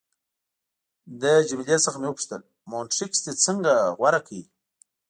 له جميله څخه مې وپوښتل: مونټریکس دې څنګه غوره کړ؟